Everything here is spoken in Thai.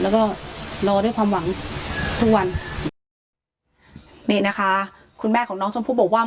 แล้วก็รอด้วยความหวังทุกวันนี่นะคะคุณแม่ของน้องชมพู่บอกว่า